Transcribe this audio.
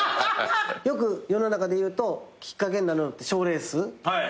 よく世の中でいうときっかけになるのって賞レース？